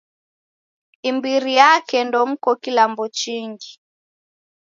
Imbiri yake ndomko kilambo chingi.